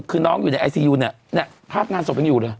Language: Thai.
คือน้องอยู่ในไอซียูนะเนี่ยพลาดงานศพตั้งอยู่หรือ